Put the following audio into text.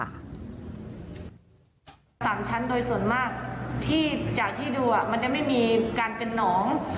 สามชั้นโดยส่วนมากที่จากที่ดูมันจะไม่มีการเป็นน้อง